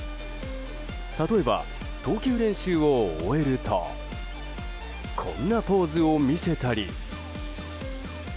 例えば、投球練習を終えるとこんなポーズを見せたり。